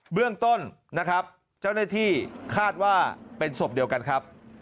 เรื่องต้นนะครับเจ้าหน้าที่คาดว่าเป็นศพเดียวกันครับ